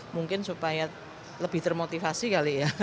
mungkin supaya lebih termotivasi kali ya